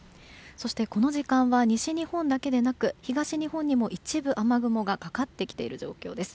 そしてこの時間は西日本だけでなく東日本にも一部雨雲がかかってきている状況です。